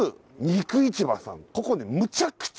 肉市場さん